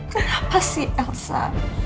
kenapa sih elsa